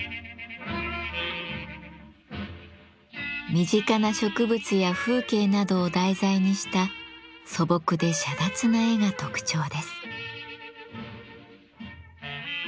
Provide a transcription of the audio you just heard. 身近な植物や風景などを題材にした素朴で洒脱な絵が特徴です。